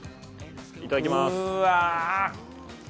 いただきます。